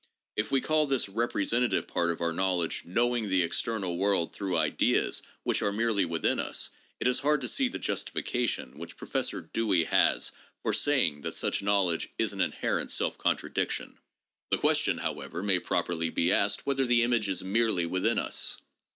If we call this representative part of our knowledge " knowing the external world through ideas which are merely within us," it is hard to see the justification which Professor Dewey has for saying that such knowing is "an inherent self contradiction." The question, however, may properly be asked whether the image is "merely within us."